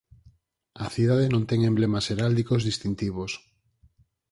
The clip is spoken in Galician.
A cidade non ten emblemas heráldicos distintivos.